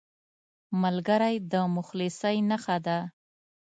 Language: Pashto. ملګری د مخلصۍ نښه ده